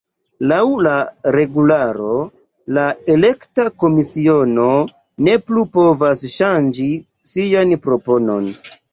Laŭ la regularo, la elekta komisiono ne plu povas ŝanĝi sian proponon.